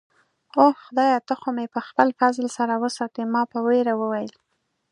اوه، خدایه، ته خو مې په خپل فضل سره وساتې. ما په ویره وویل.